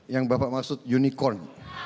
yang bapak maksud unicorn